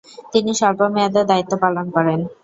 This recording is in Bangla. তিনি স্বল্প মেয়াদে দায়িত্ব পালন করেন।